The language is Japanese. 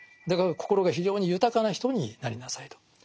だから心が非常に豊かな人になりなさいと。